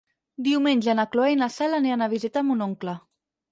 Diumenge na Cloè i na Cel aniran a visitar mon oncle.